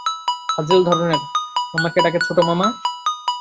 ফাজিল ধরনের, আমাকে ডাকে ছোট মামা?